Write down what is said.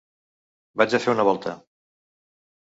Vaig a fer una volta.